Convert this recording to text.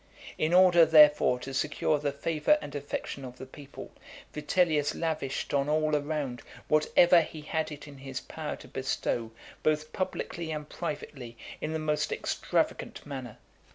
In order, therefore, to secure the favour and affection of the people, Vitellius lavished on all around whatever he had it in his power to bestow, both publicly and privately, in the most extravagant manner.